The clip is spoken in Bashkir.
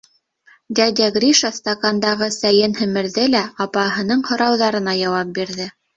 Дядя Гриша стакандағы сәйен һемерҙе лә апаһының һорауҙарына яуап бирҙе.